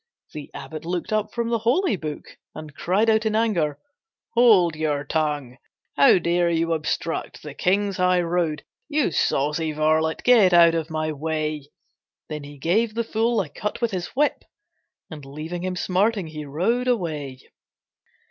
The abbot looked up from the holy book And cried out in anger, "Hold your tongue! "How dare you obstruct the King's highroad, You saucy varlet, get out of my way." Then he gave the fool a cut with his whip And leaving him smarting, he rode away.